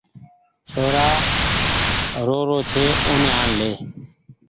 ڇورآن رو رو ڇي اون آن لي